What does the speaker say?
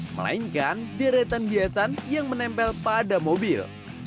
melainkan deretan hiasan yang menempel pada mobil